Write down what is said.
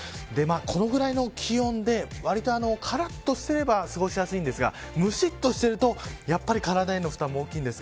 これぐらいの気温でからっとしていれば過ごしやすいんですがむしっとしていると体への負担も大きいです。